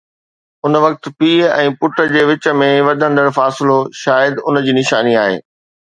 ان وقت پيءُ ۽ پٽ جي وچ ۾ وڌندڙ فاصلو شايد ان جي نشاني آهي.